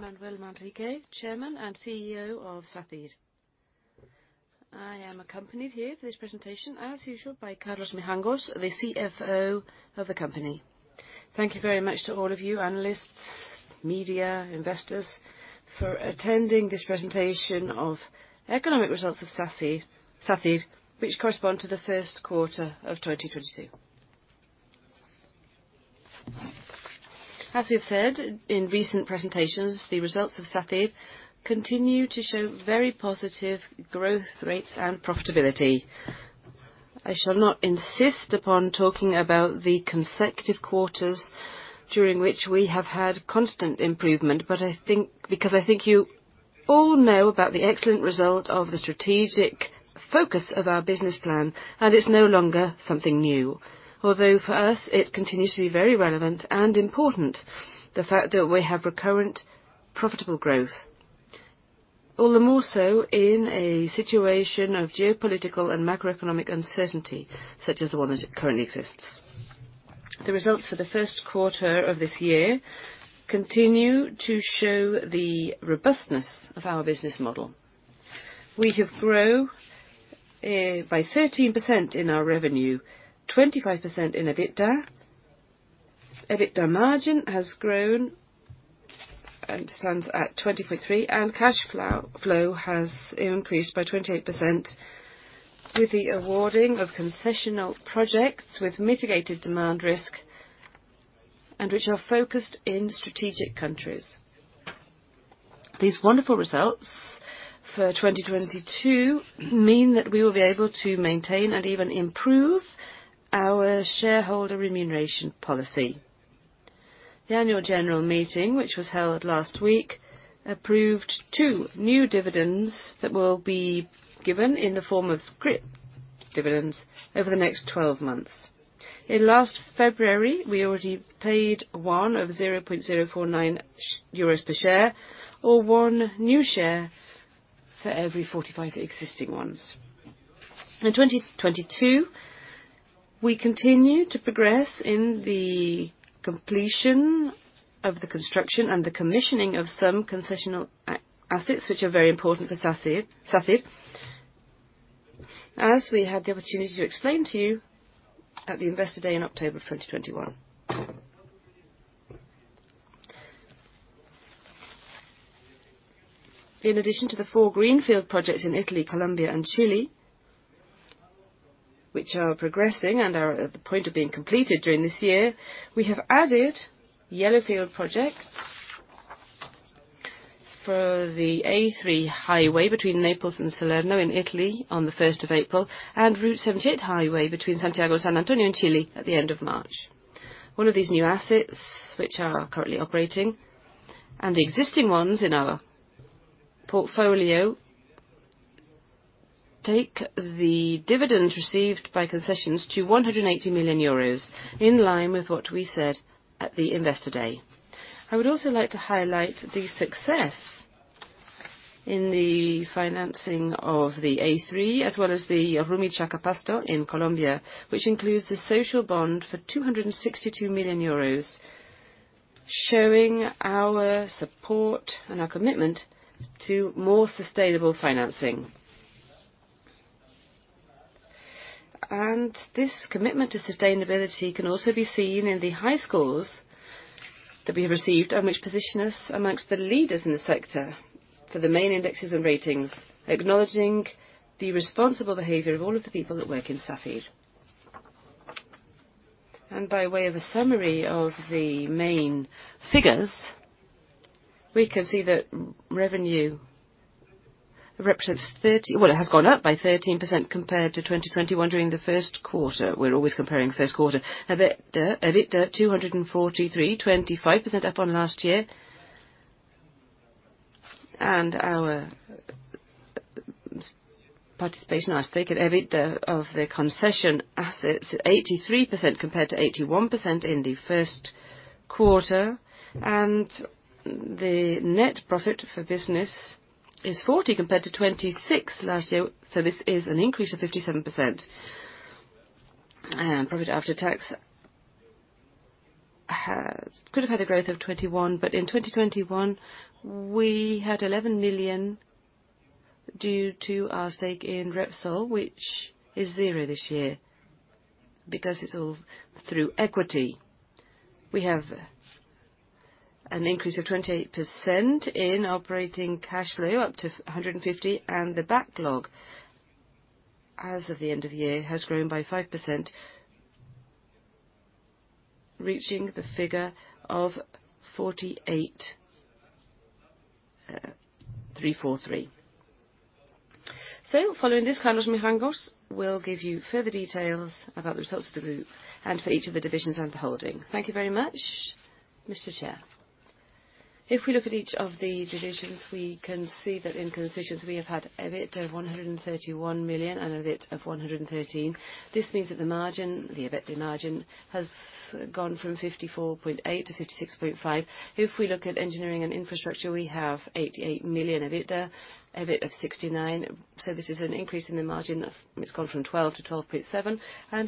Manuel Manrique, Chairman and CEO of Sacyr. I am accompanied here for this presentation, as usual, by Carlos Mijangos, the CFO of the company. Thank you very much to all of you analysts, media, investors for attending this presentation of economic results of Sacyr which correspond to the first quarter of 2022. As we have said in recent presentations, the results of Sacyr continue to show very positive growth rates and profitability. I shall not insist upon talking about the consecutive quarters during which we have had constant improvement, but I think you all know about the excellent result of the strategic focus of our business plan, and it's no longer something new. Although for us, it continues to be very relevant and important, the fact that we have recurrent profitable growth. All the more so in a situation of geopolitical and macroeconomic uncertainty, such as the one that currently exists. The results for the first quarter of this year continue to show the robustness of our business model. We have grown by 13% in our revenue, 25% in EBITDA. EBITDA margin has grown and stands at 20.3%, and cash flow has increased by 28% with the awarding of concessional projects with mitigated demand risk and which are focused in strategic countries. These wonderful results for 2022 mean that we will be able to maintain and even improve our shareholder remuneration policy. The annual general meeting, which was held last week, approved two new dividends that will be given in the form of scrip dividends over the next 12 months. In last February, we already paid 0.049 euros per share or one new share for every 45 existing ones. In 2022, we continue to progress in the completion of the construction and the commissioning of some concession assets which are very important for Sacyr, as we had the opportunity to explain to you at the Investor Day in October 2021. In addition to the four greenfield projects in Italy, Colombia and Chile, which are progressing and are at the point of being completed during this year, we have added yellowfield projects for the A3 highway between Naples and Salerno in Italy on th 1st of April, and Ruta 78 highway between Santiago and San Antonio in Chile at the end of March. All of these new assets, which are currently operating, and the existing ones in our portfolio take the dividend received by concessions to 180 million euros, in line with what we said at the Investor Day. I would also like to highlight the success in the financing of the A3, as well as the Rumichaca-Pasto in Colombia, which includes the social bond for 262 million euros, showing our support and our commitment to more sustainable financing. This commitment to sustainability can also be seen in the high scores that we have received and which position us among the leaders in the sector for the main indexes and ratings, acknowledging the responsible behavior of all of the people that work in Sacyr. By way of a summary of the main figures, we can see that revenue represents 30. Well, it has gone up by 13% compared to 2021 during the first quarter. We're always comparing first quarter. EBITDA 243, 25% up on last year. Our participation as stake at EBITDA of the concession assets, 83% compared to 81% in the first quarter. The net profit for business is 40 compared to 26 last year. This is an increase of 57%. Profit after tax could have had a growth of 21%, but in 2021, we had 11 million due to our stake in Repsol, which is zero this year because it's all through equity. We have an increase of 28% in operating cash flow up to 150. The backlog as of the end of the year has grown by 5%, reaching the figure of 48,343. Following this, Carlos Mijangos will give you further details about the results of the group and for each of the divisions and the holding. Thank you very much, Mr. Chair. If we look at each of the divisions, we can see that in concessions we have had EBITDA of 131 million and EBIT of 113 million. This means that the margin, the EBITDA margin, has gone from 54.8% to 56.5%. If we look at engineering and infrastructure, we have EBITDA of 88 million, EBIT of 69 million. This is an increase in the margin. It's gone from 12% to 12.7%.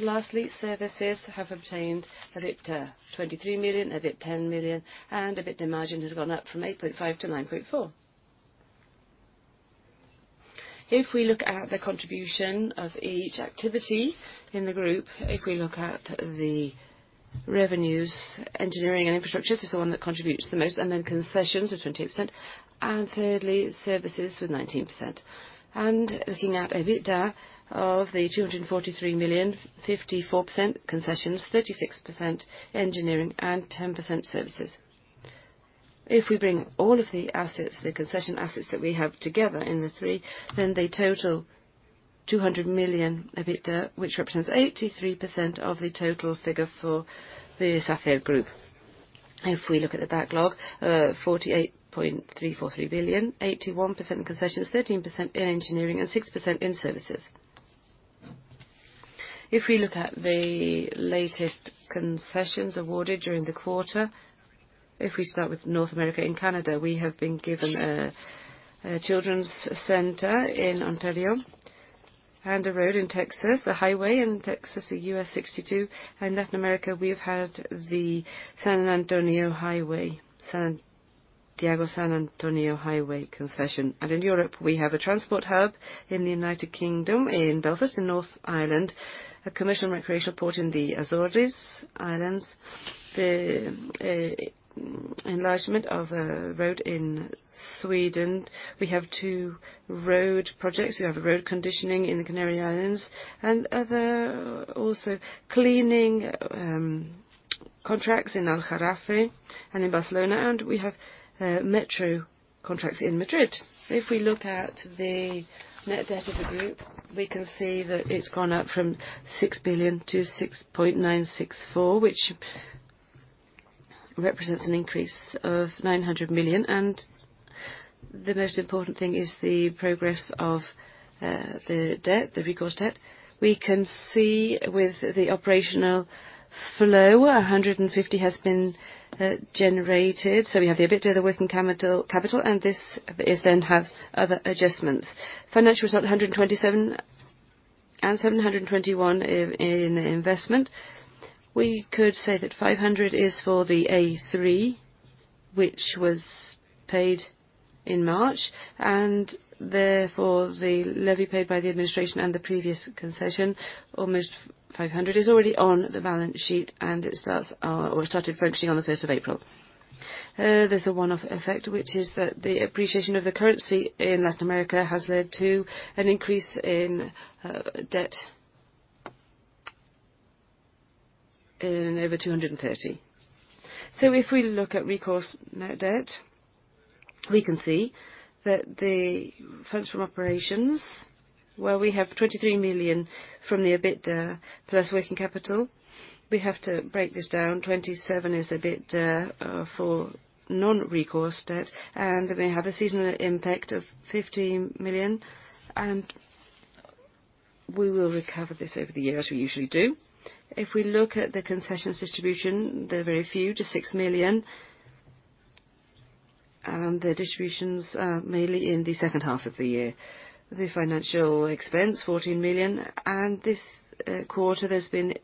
Lastly, services have obtained EBITDA 23 million, EBIT 10 million, and EBITDA margin has gone up from 8.5% to 9.4%. If we look at the contribution of each activity in the group, if we look at the revenues, engineering and infrastructure, this is the one that contributes the most, and then concessions with 28%, and thirdly, services with 19%. Looking at EBITDA of 243 million, 54% concessions, 36% engineering, and 10% services. If we bring all of the assets, the concession assets that we have together in the three, then they total 200 million EBITDA, which represents 83% of the total figure for the Sacyr Group. If we look at the backlog, 48.343 billion, 81% in concessions, 13% in engineering, and 6% in services. If we look at the latest concessions awarded during the quarter, if we start with North America and Canada, we have been given the Grandview Children's Treatment Centre in Ontario and a road in Texas, a highway in Texas, a U.S. 62. In Latin America, we have had the Santiago-San Antonio highway concession. In Europe, we have a transport hub in the United Kingdom, in Belfast, in Northern Ireland, a commercial and recreational port in the Azores Islands, the enlargement of a road in Sweden. We have two road projects. We have a road conditioning in the Canary Islands and other also cleaning contracts in Mairena del Aljarafe and in Barcelona, and we have metro contracts in Madrid. If we look at the net debt of the group, we can see that it's gone up from 6 billion to 6.964 billion, which represents an increase of 900 million. The most important thing is the progress of the debt, the recourse debt. We can see with the operational flow, 150 has been generated. We have the EBITDA, the working capital, and this is then has other adjustments. Financial result, 127, and 721 in investment. We could say that 500 is for the A3, which was paid in March, and therefore the levy paid by the administration and the previous concession, almost 500, is already on the balance sheet, and it starts or started functioning on the fifth of April. There's a one-off effect, which is that the appreciation of the currency in Latin America has led to an increase in debt of over 230 million. If we look at recourse net debt, we can see that the funds from operations, where we have 23 million from the EBITDA plus working capital, we have to break this down. Twenty seven is EBITDA for non-recourse debt, and they have a seasonal impact of 15 million, and we will recover this over the year, as we usually do. If we look at the concessions distribution, there are very few to 6 million, and the distributions are mainly in the second half of the year. The financial expense, 14 million, and this quarter, there's been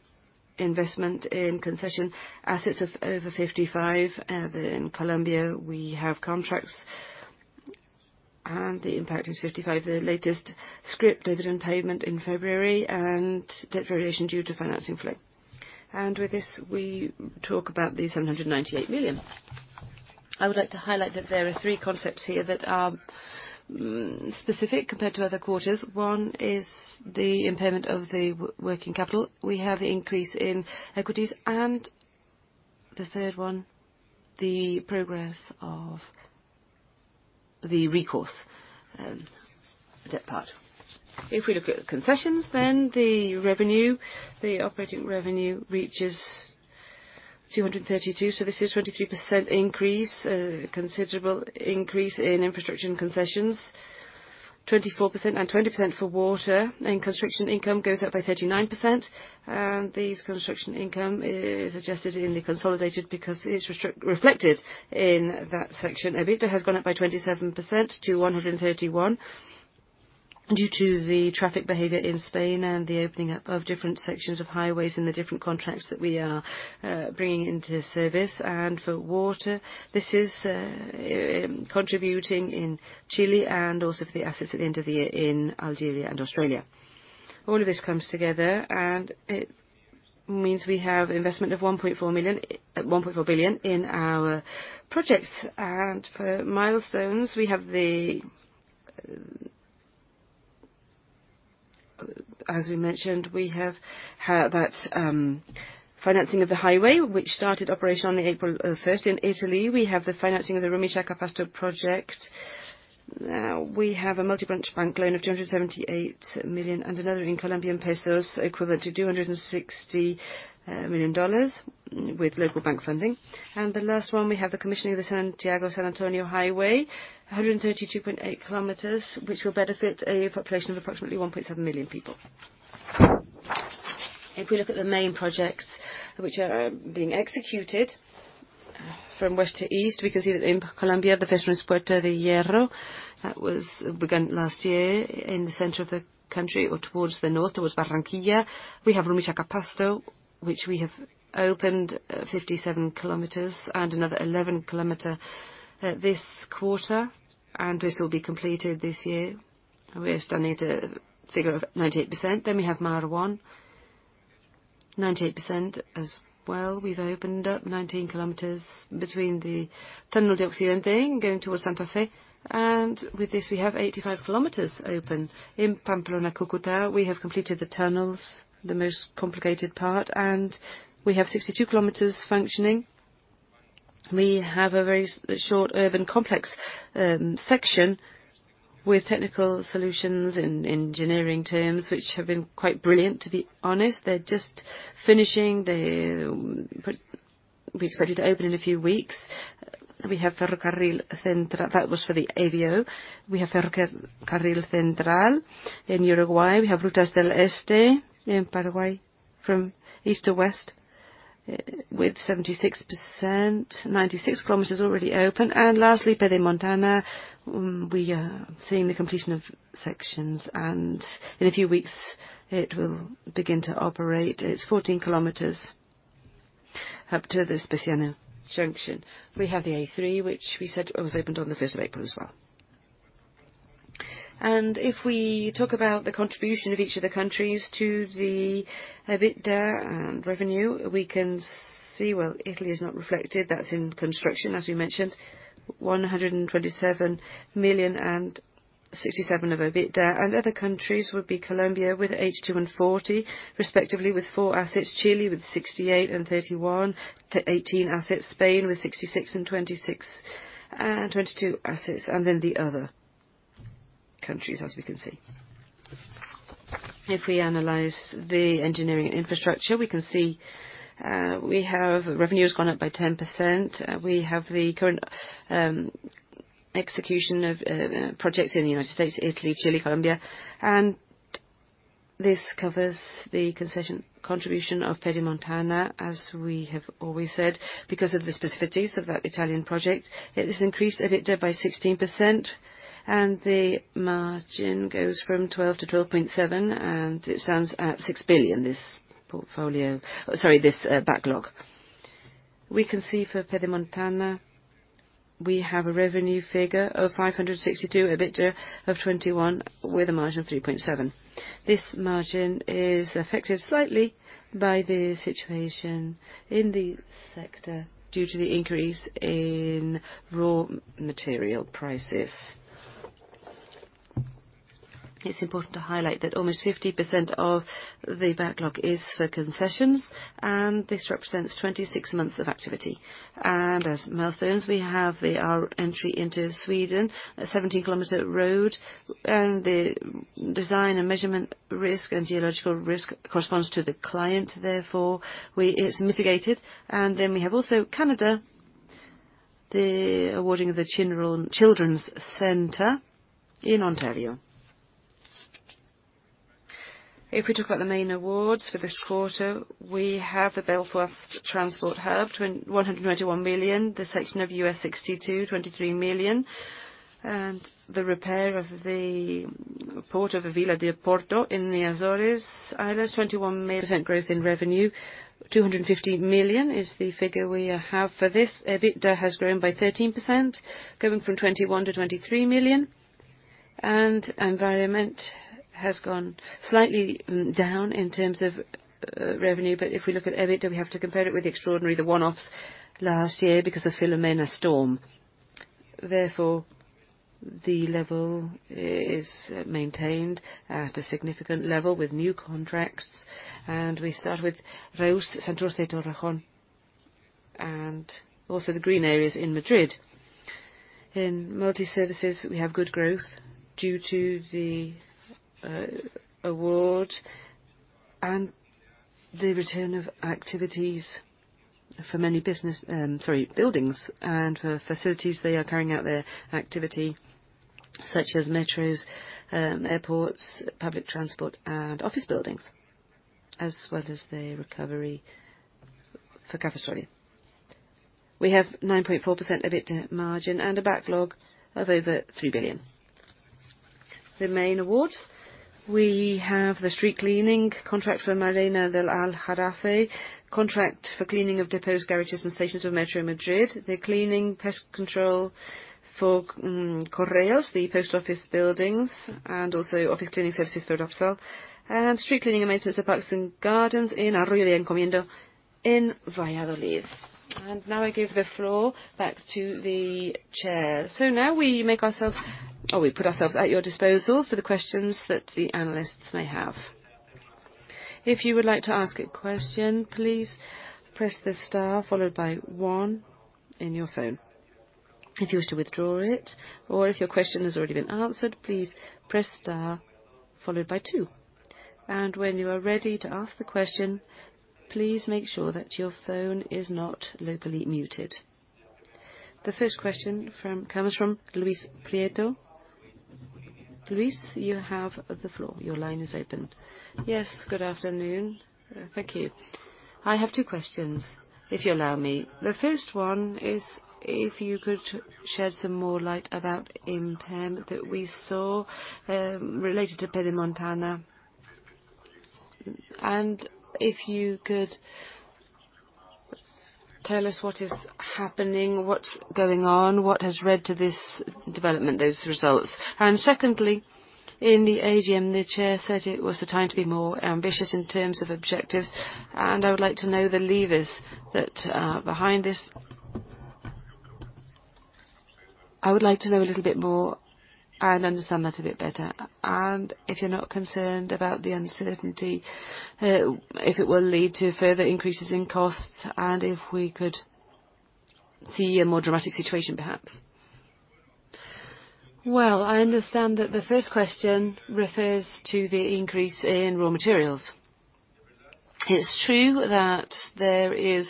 investment in concession assets of over 55 million. In Colombia, we have contracts, and the impact is 55 million. The latest scrip dividend payment in February and debt variation due to financing flow. With this, we talk about the 798 million. I would like to highlight that there are three concepts here that are specific compared to other quarters. One is the impairment of the working capital. We have increase in equities. The third one, the progress of the recourse debt part. If we look at concessions, the revenue, the operating revenue reaches 232 million, so this is 23% increase, considerable increase in infrastructure and concessions, 24%, and 20% for water. Construction income goes up by 39%, and this construction income is adjusted in the consolidated because it is reflected in that section. EBITDA has gone up by 27% to 131 due to the traffic behavior in Spain and the opening up of different sections of highways in the different contracts that we are bringing into service. For water, this is contributing in Chile and also for the assets at the end of the year in Algeria and Australia. All of this comes together, and it means we have investment of 1.4 billion in our projects. For milestones, as we mentioned, we have that financing of the highway which started operation on April 1st in Italy. We have the financing of the Rumichaca-Pasto project. We have a multi-branch bank loan of 278 million and another in Colombian pesos equivalent to $260 million with local bank funding. The last one, we have the commissioning of the Santiago-San Antonio highway, 132.8 kilometers, which will benefit a population of approximately 1.7 million people. If we look at the main projects which are being executed from west to east, we can see that in Colombia, the Vespucio Puerta del Hierro, that was begun last year. In the center of the country or towards the north, towards Barranquilla, we have Rumichaca-Pasto, which we have opened 57 kilometers and another 11 kilometer this quarter, and this will be completed this year. We're standing at a figure of 98%. We have Mar 1, 98% as well. We've opened up 19 km between the Túnel de Occidente going towards Santa Fe, and with this we have 85 km open. In Pamplona-Cúcuta, we have completed the tunnels, the most complicated part, and we have 62 km functioning. We have a very short urban complex section with technical solutions in engineering terms, which have been quite brilliant, to be honest. They're just finishing. We expect it to open in a few weeks. We have Ferrocarril Central. That was for the AVO. We have Ferrocarril Central in Uruguay. We have Rutas del Este in Paraguay from east to west with 76%, 96 km already open. Lastly, Pedemontana, we are seeing the completion of sections, and in a few weeks it will begin to operate. It's 14 km up to the Spresiano junction. We have the A3, which we said was opened on the 1st of April as well. If we talk about the contribution of each of the countries to the EBITDA and revenue, we can see. Well, Italy is not reflected. That's in construction, as we mentioned. 127 million and 67 of EBITDA. Other countries would be Colombia with 82 and 40, respectively, with four assets. Chile with 68 and 31 to 18 assets. Spain with 66 and 26 and 22 assets. The other countries, as we can see. If we analyze the engineering infrastructure, we can see, we have revenue has gone up by 10%. We have the current execution of projects in the United States, Italy, Chile, Colombia, and this covers the concession contribution of Pedemontana, as we have always said, because of the specificities of that Italian project. It has increased EBITDA by 16%, and the margin goes from 12% to 12.7%, and it stands at 6 billion, this portfolio. Sorry, this backlog. We can see for Pedemontana, we have a revenue figure of 562, EBITDA of 21 with a margin of 3.7%. This margin is affected slightly by the situation in the sector due to the increase in raw material prices. It's important to highlight that almost 50% of the backlog is for concessions, and this represents 26 months of activity. As milestones, we have our entry into Sweden, a 17-kilometer road, and the design and measurement risk and geological risk corresponds to the client, therefore, it's mitigated. We have also Canada, the awarding of the Grandview Children's Treatment Centre in Ontario. If we talk about the main awards for this quarter, we have the Belfast Transport Hub, 191 million. The section of U.S. 62, 23 million. The repair of the Port of Vila do Porto in the Azores Islands, 21 million. Percent growth in revenue, 250 million is the figure we have for this. EBITDA has grown by 13%, going from 21 million to 23 million. Environment has gone slightly down in terms of revenue. If we look at EBITDA, we have to compare it with the extraordinary, the one-offs last year because of Storm Filomena. Therefore, the level is maintained at a significant level with new contracts. We start with Reus, Ciudad de Reus, and also the green areas in Madrid. In multi-services, we have good growth due to the award and the return of activities for many buildings. For facilities, they are carrying out their activity, such as metros, airports, public transport, and office buildings, as well as the recovery for Cafestore. We have 9.4% EBITDA margin and a backlog of over 3 billion. The main awards, we have the street cleaning contract for Mairena del Aljarafe, contract for cleaning of depots, garages, and stations of Metro de Madrid. The cleaning, pest control for Correos, the post office buildings, and also office cleaning services for Repsol, and street cleaning and maintenance of parks and gardens in Arroyo de la Encomienda in Valladolid. Now I give the floor back to the chair. We put ourselves at your disposal for the questions that the analysts may have. If you would like to ask a question, please press the star followed by one in your phone. If you wish to withdraw it, or if your question has already been answered, please press star followed by two. When you are ready to ask the question, please make sure that your phone is not locally muted. The first question comes from Luis Prieto. Luis, you have the floor. Your line is open. Yes, good afternoon. Thank you. I have two questions, if you allow me. The first one is if you could shed some more light about impairment that we saw related to Pedemontana. If you could tell us what is happening, what's going on, what has led to this development, those results. Secondly, in the AGM, the chair said it was the time to be more ambitious in terms of objectives, and I would like to know the levers that behind this. I would like to know a little bit more and understand that a bit better, and if you're not concerned about the uncertainty, if it will lead to further increases in costs, and if we could see a more dramatic situation, perhaps. Well, I understand that the first question refers to the increase in raw materials. It's true that there is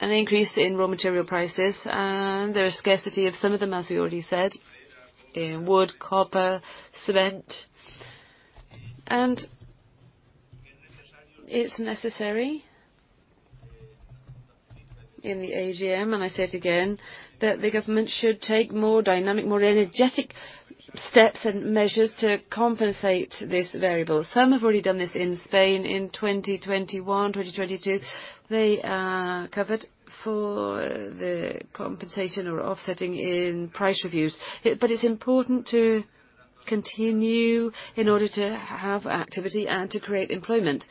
an increase in raw material prices, and there is scarcity of some of them, as we already said, in wood, copper, cement. It's necessary in the AGM, and I say it again, that the government should take more dynamic, more energetic steps and measures to compensate this variable. Some have already done this in Spain in 2021, 2022. They are covered for the compensation or offsetting in price reviews. It's important to continue in order to have activity and to create employment.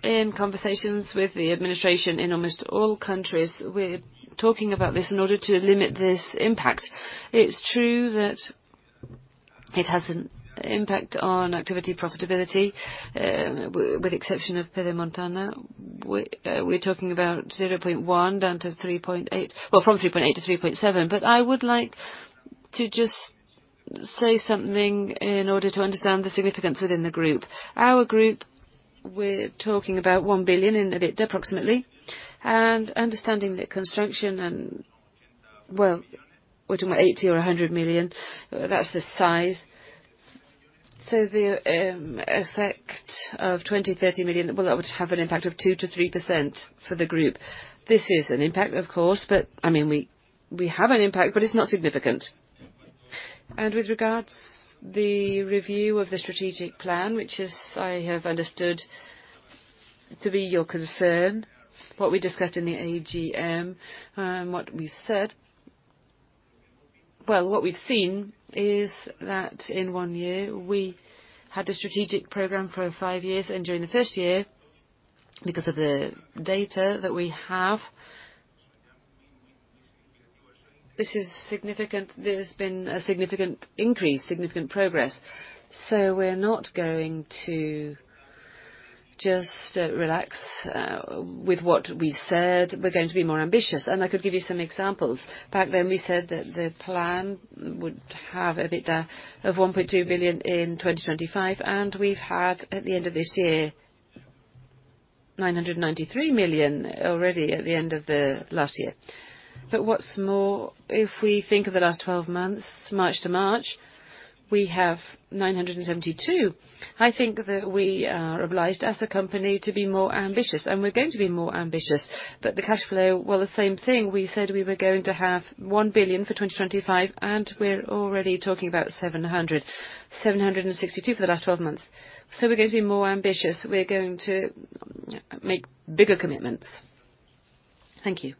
In conversations with the administration in almost all countries, we're talking about this in order to limit this impact. It's true that it has an impact on activity profitability, with exception of Pedemontana. We're talking about 0.1% down to 3.8%. Well, from 3.8% to 3.7%. I would like to just say something in order to understand the significance within the group. Our group, we're talking about 1 billion in EBITDA, approximately. Understanding that construction and, well, we're talking about 80 or 100 million. That's the size. So the effect of 20-30 million, well, that would have an impact of 2%-3% for the group. This is an impact, of course, but I mean, we have an impact, but it's not significant. With regards the review of the strategic plan, which is I have understood to be your concern, what we discussed in the AGM, what we said. Well, what we've seen is that in one year, we had a strategic program for five years, and during the first year, because of the data that we have, this is significant. There's been a significant increase, significant progress. We're not going to just relax. With what we said, we're going to be more ambitious, and I could give you some examples. Back then, we said that the plan would have EBITDA of 1.2 billion in 2025, and we've had, at the end of this year, 993 million already at the end of the last year. What's more, if we think of the last 12 months, March to March, we have 972 million. I think that we are obliged as a company to be more ambitious, and we're going to be more ambitious. The cash flow, well, the same thing. We said we were going to have 1 billion for 2025, and we're already talking about 762 million for the last 12 months. We're going to be more ambitious. We're going to make bigger commitments. Thank you.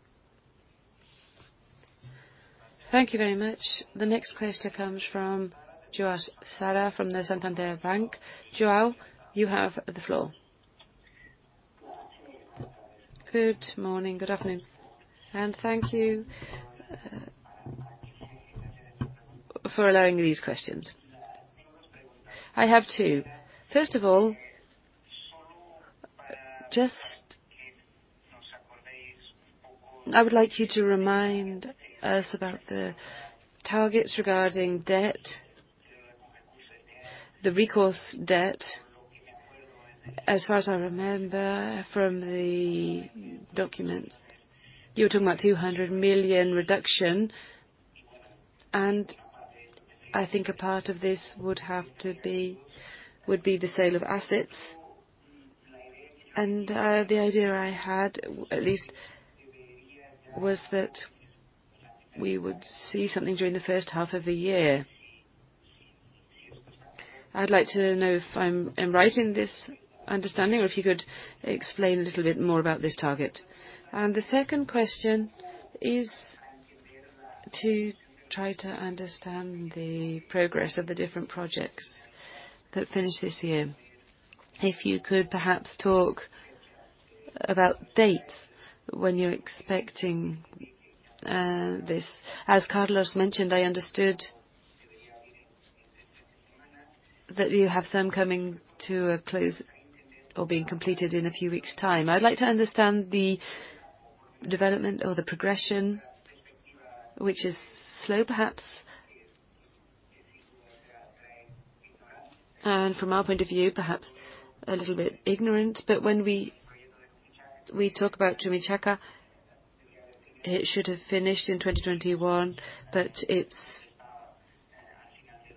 Thank you very much. The next question comes from João Safara from Santander Bank. João, you have the floor. Good morning. Good afternoon, and thank you for allowing these questions. I have two. First of all, I would like you to remind us about the targets regarding debt, the recourse debt. As far as I remember from the documents, you were talking about 200 million reduction, and I think a part of this would be the sale of assets. The idea I had, at least, was that we would see something during the first half of the year. I'd like to know if I'm right in this understanding, or if you could explain a little bit more about this target. The second question is to try to understand the progress of the different projects that finish this year. If you could perhaps talk about dates when you're expecting this. As Carlos mentioned, I understood that you have some coming to a close or being completed in a few weeks' time. I'd like to understand the development or the progression, which is slow, perhaps. From our point of view, perhaps a little bit ignorant, but when we talk about Rumichaca, it should have finished in 2021, but it's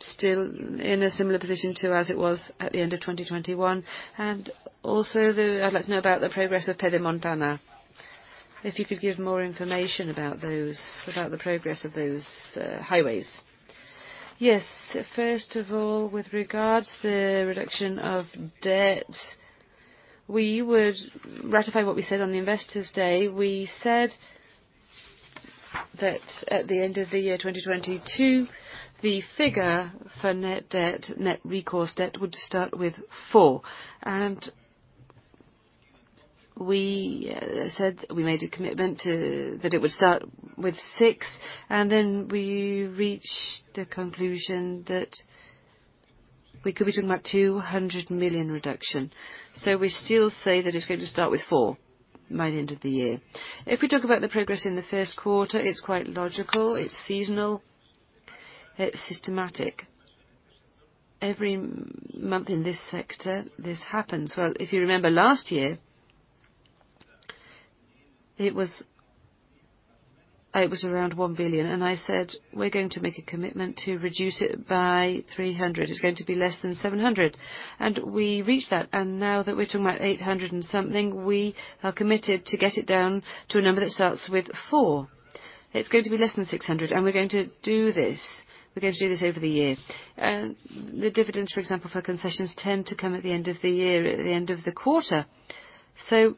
still in a similar position to as it was at the end of 2021. I'd like to know about the progress of Pedemontana. If you could give more information about those, about the progress of those highways. Yes. First of all, with regards the reduction of debt, we would ratify what we said on the Investor Day. We said that at the end of the year 2022, the figure for net debt, net recourse debt would start with four. We said we made a commitment that it would start with six, and then we reached the conclusion that we could be talking about 200 million reduction. We still say that it's going to start with four by the end of the year. If we talk about the progress in the first quarter, it's quite logical. It's seasonal, it's systematic. Every month in this sector, this happens. Well, if you remember last year, it was around 1 billion, and I said, we're going to make a commitment to reduce it by 300 million. It's going to be less than 700 million. We reached that. Now that we're talking about 800 and something, we are committed to get it down to a number that starts with four. It's going to be less than 600. We're going to do this over the year. The dividends, for example, for concessions tend to come at the end of the year, at the end of the quarter. The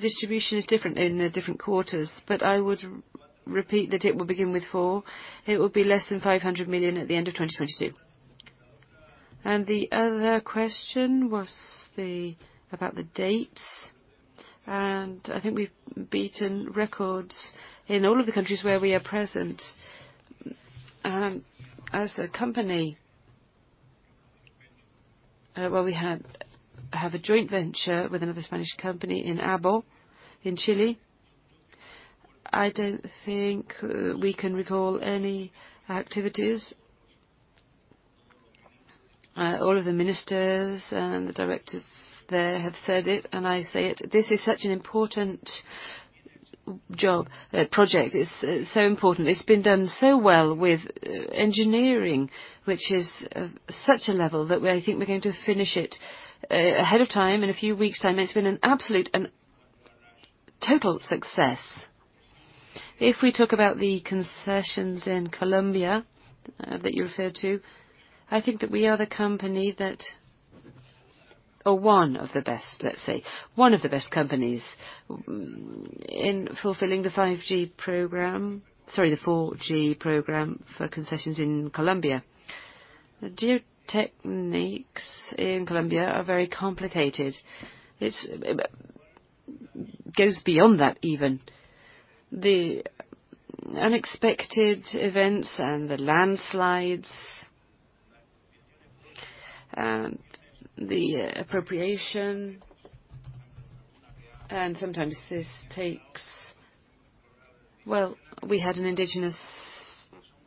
distribution is different in the different quarters. I would repeat that it will begin with four. It will be less than 500 million at the end of 2022. The other question was about the dates, and I think we've beaten records in all of the countries where we are present. As a company, we have a joint venture with another Spanish company in AVO, in Chile. I don't think we can recall any activities. All of the ministers and the directors there have said it, and I say it, this is such an important job. Project. It's so important. It's been done so well with engineering, which is such a level that I think we're going to finish it ahead of time in a few weeks' time. It's been an absolute and total success. If we talk about the concessions in Colombia that you referred to, I think that we are the company that or one of the best, let's say, one of the best companies in fulfilling the 4G program, sorry, the 4G program for concessions in Colombia. The geotechnics in Colombia are very complicated. It goes beyond that even. The unexpected events and the landslides and the expropriation, and sometimes this takes. Well, we had an indigenous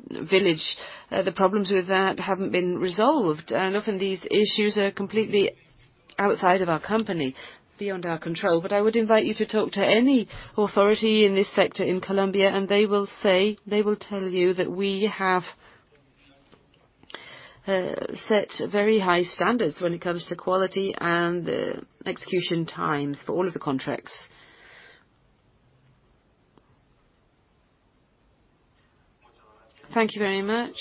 village. The problems with that haven't been resolved. Often these issues are completely outside of our company, beyond our control. I would invite you to talk to any authority in this sector in Colombia, and they will say, they will tell you that we have set very high standards when it comes to quality and execution times for all of the contracts. Thank you very much.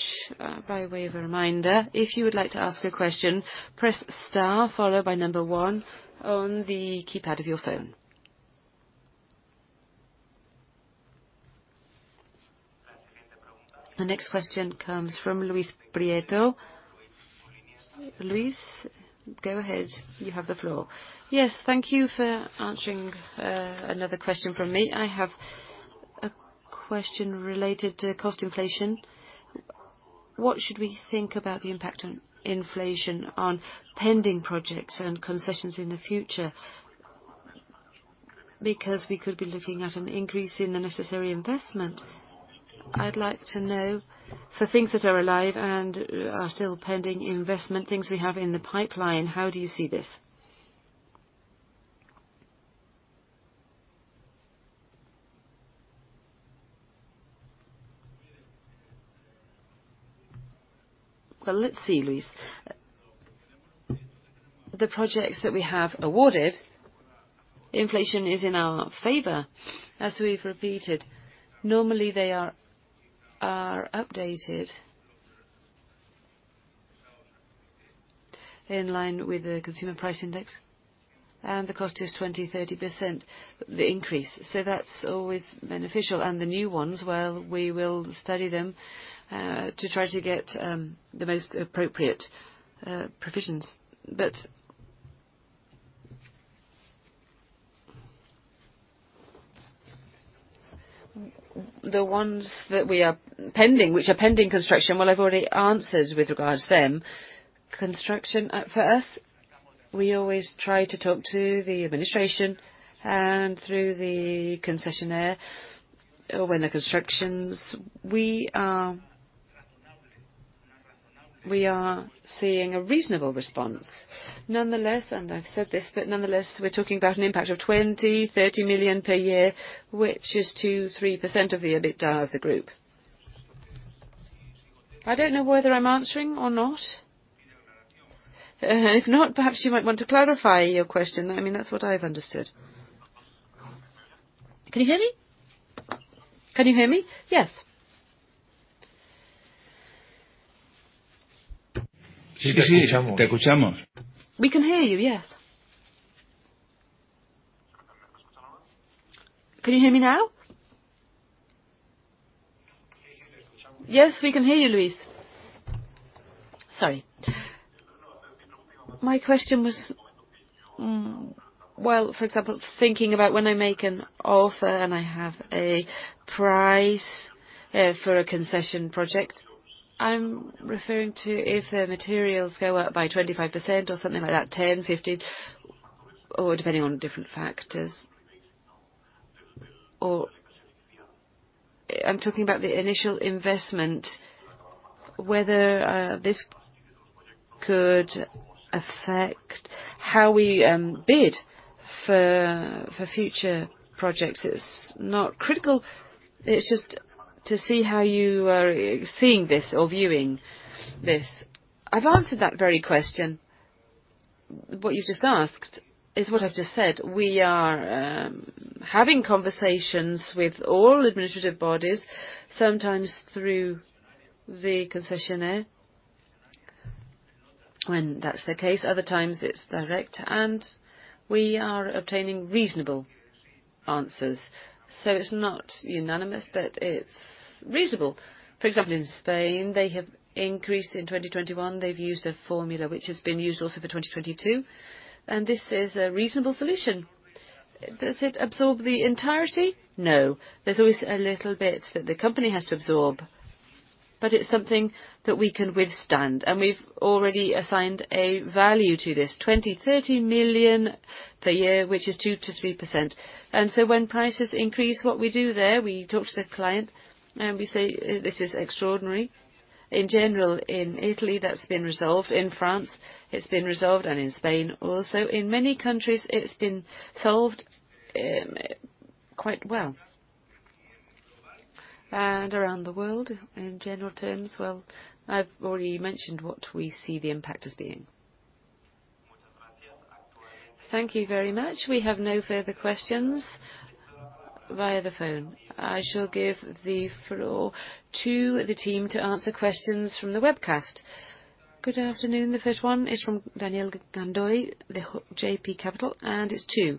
By way of a reminder, if you would like to ask a question, press star followed by number one on the keypad of your phone. The next question comes from Luis Prieto. Luis, go ahead. You have the floor. Yes, thank you for answering another question from me. I have a question related to cost inflation. What should we think about the impact on inflation on pending projects and concessions in the future? Because we could be looking at an increase in the necessary investment. I'd like to know for things that are alive and are still pending investment, things we have in the pipeline, how do you see this? Well, let's see, Luis. The projects that we have awarded, inflation is in our favor, as we've repeated. Normally, they are updated in line with the consumer price index, and the cost is 20% to 30% the increase. So that's always beneficial. The new ones, well, we will study them to try to get the most appropriate provisions. But the ones that are pending, which are pending construction, well, I've already answered with regards to them. Construction, for us, we always try to talk to the administration and through the concessionaire when the constructions. We are seeing a reasonable response. Nonetheless, I've said this, but nonetheless, we're talking about an impact of 20 to 30 million per year, which is 2% to 3% of the EBITDA of the group. I don't know whether I'm answering or not. If not, perhaps you might want to clarify your question. I mean, that's what I've understood. Can you hear me? Can you hear me? Yes. We can hear you, yes. Can you hear me now? Yes, we can hear you, Luis. Sorry. My question was, well, for example, thinking about when I make an offer and I have a price, for a concession project, I'm referring to if the materials go up by 25% or something like that, 10% to 15%, or depending on different factors. I'm talking about the initial investment, whether this could affect how we bid for future projects. It's not critical, it's just to see how you are seeing this or viewing this. I've answered that very question. What you just asked is what I've just said. We are having conversations with all administrative bodies, sometimes through the concessionaire, when that's the case. Other times it's direct. We are obtaining reasonable answers. It's not unanimous, but it's reasonable. For example, in Spain, they have increased in 2021. They've used a formula which has been used also for 2022. This is a reasonable solution. Does it absorb the entirety? No. There's always a little bit that the company has to absorb, but it's something that we can withstand. We've already assigned a value to this, 20 million to 30 million per year, which is 2% to 3%. When prices increase, what we do there, we talk to the client and we say, "This is extraordinary." In general, in Italy, that's been resolved. In France, it's been resolved, and in Spain also. In many countries, it's been solved quite well. Around the world, in general terms, well, I've already mentioned what we see the impact as being. Thank you very much. We have no further questions via the phone. I shall give the floor to the team to answer questions from the webcast. Good afternoon. The first one is from Daniel Gandoy, JB Capital, and it's to.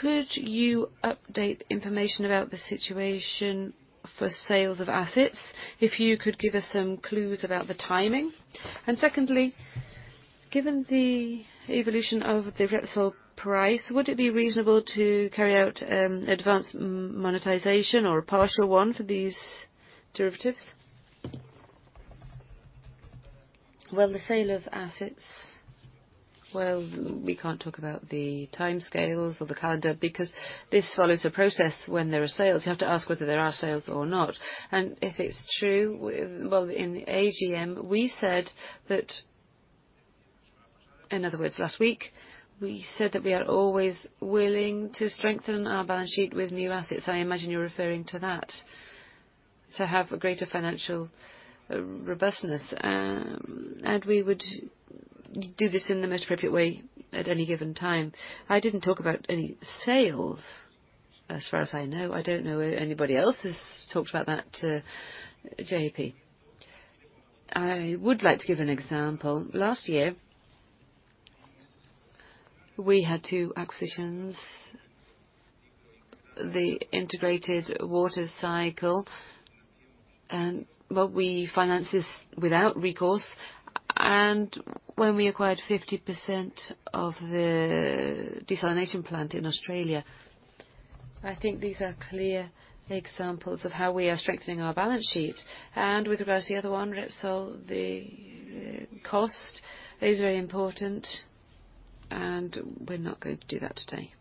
Could you update information about the situation for sales of assets? If you could give us some clues about the timing. Secondly, given the evolution of the Repsol price, would it be reasonable to carry out advanced monetization or a partial one for these derivatives? Well, the sale of assets, well, we can't talk about the timescales or the calendar because this follows a process when there are sales. You have to ask whether there are sales or not. If it's true, well, in AGM, we said that. In other words, last week, we said that we are always willing to strengthen our balance sheet with new assets. I imagine you're referring to that, to have a greater financial robustness. We would do this in the most appropriate way at any given time. I didn't talk about any sales, as far as I know. I don't know anybody else has talked about that to JB. I would like to give an example. Last year, we had two acquisitions, the integrated water cycle, and well, we financed this without recourse. When we acquired 50% of the desalination plant in Australia. I think these are clear examples of how we are strengthening our balance sheet. With regards to the other one, Repsol, the cost is very important, and we're not going to do that today.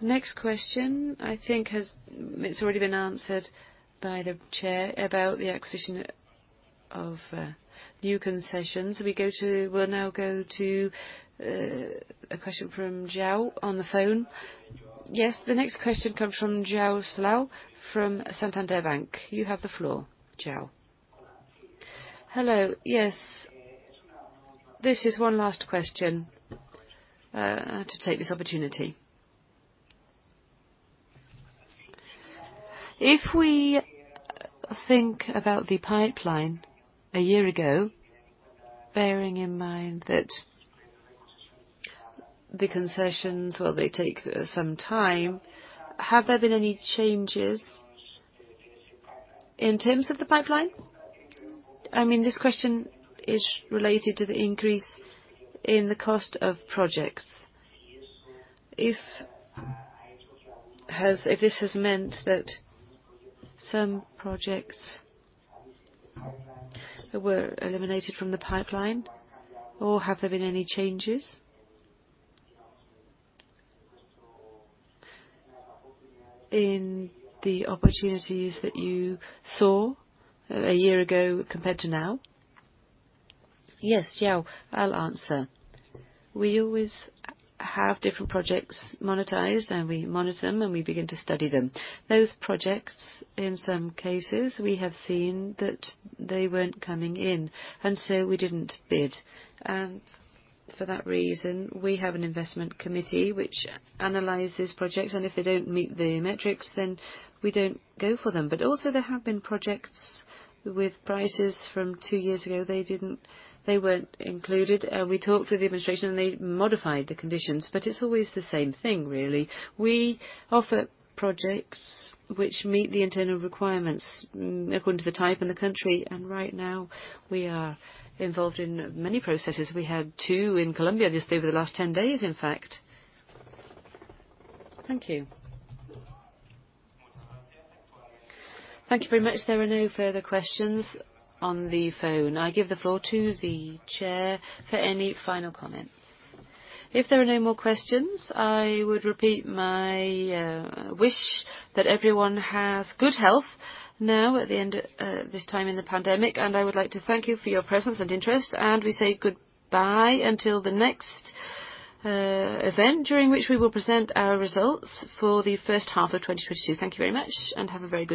Next question, I think it's already been answered by the chair about the acquisition of new concessions. We'll now go to a question from João on the phone. Yes, the next question comes from João Safara from Santander Bank. You have the floor, João. Hello. Yes. This is one last question to take this opportunity. If we think about the pipeline a year ago, bearing in mind that the concessions, well, they take some time, have there been any changes in terms of the pipeline? I mean, this question is related to the increase in the cost of projects. If this has meant that some projects were eliminated from the pipeline, or have there been any changes in the opportunities that you saw a year ago compared to now? Yes, João, I'll answer. We always have different projects monetized, and we monitor them, and we begin to study them. Those projects, in some cases, we have seen that they weren't coming in, and so we didn't bid. For that reason, we have an investment committee which analyzes projects, and if they don't meet the metrics, then we don't go for them. Also, there have been projects with prices from two years ago. They weren't included. We talked with the administration, and they modified the conditions. It's always the same thing, really. We offer projects which meet the internal requirements according to the type and the country. Right now, we are involved in many processes. We had two in Colombia just over the last 10 days, in fact. Thank you. Thank you very much. There are no further questions on the phone. I give the floor to the chair for any final comments. If there are no more questions, I would repeat my wish that everyone has good health now at the end of this time in the pandemic. I would like to thank you for your presence and interest. We say goodbye until the next event during which we will present our results for the first half of 2022. Thank you very much, and have a very good day.